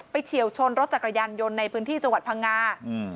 เฉียวชนรถจักรยานยนต์ในพื้นที่จังหวัดพังงาอืม